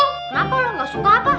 kenapa lo gak suka apa